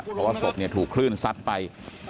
เพราะว่าศพถูกคลื่นซัดไป